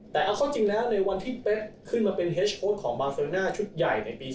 แต่เอาเข้าจริงแล้วในวันที่เป๊กขึ้นมาเป็นเฮสโค้ดของบาเซอร์น่าชุดใหญ่ในปี๒๕